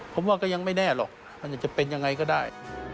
ผมว่าก็ยังไม่แน่หรอกมันจะเป็นยังไงก็ได้